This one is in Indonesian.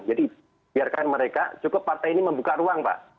jadi biarkan mereka cukup partai ini membuka ruang pak